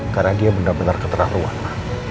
karena dia benar benar keterahuan pak